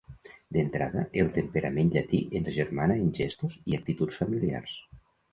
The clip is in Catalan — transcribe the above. D'entrada, el temperament llatí ens agermana en gestos i actituds familiars.